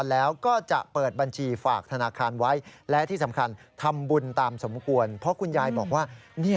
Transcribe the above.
นอกจากกี่ทำบุญแล้วเสียเอาไปยังงานเงินร้านยังไง